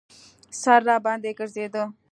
سر راباندې ګرځېده.